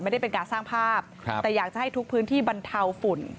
ไม่ได้เป็นการสร้างภาพแต่อยากจะให้ทุกพื้นที่บรรเทาฝุ่น